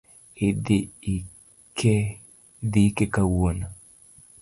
Idhii ike kawuono